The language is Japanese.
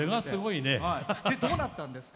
どうなったんですか？